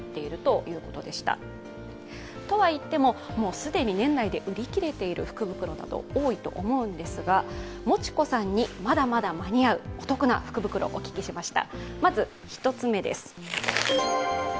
既に年内で売り切れている福袋など多いと思うのですがもちこさんに、まだまだ間に合うお得な福袋をお聞きしました。